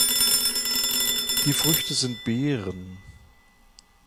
Die Früchte sind Beeren.